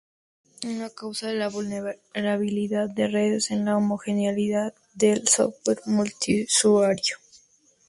Una causa de la vulnerabilidad de redes, es la homogeneidad del "software" multiusuario.